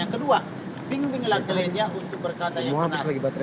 kedua bimbinglah kelindian untuk berkata yang benar